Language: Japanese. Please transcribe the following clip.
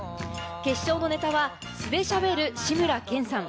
決勝のネタは素でしゃべる志村けんさん。